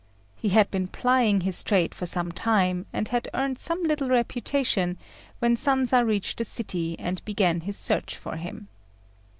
He had been plying his trade for some time, and had earned some little reputation, when Sanza reached the city and began his search for him.